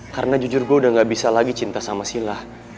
karena jujur gue udah gak bisa lagi cinta sama sila